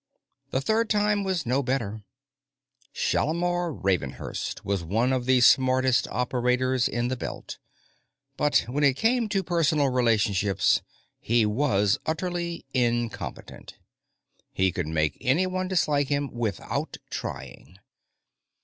The third time was no better; Shalimar Ravenhurst was one of the smartest operators in the Belt, but when it came to personal relationships, he was utterly incompetent. He could make anyone dislike him without trying.